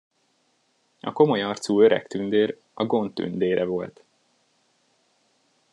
A komoly arcú öreg tündér a Gond tündére volt.